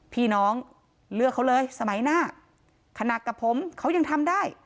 พี่น้องเลือกเขาเลยสมัยหน้าขนาดกับผมเขายังทำได้